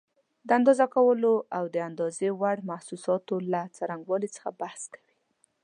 د اندازه کولو او د اندازې وړ محسوساتو له څرنګوالي څخه بحث کوي.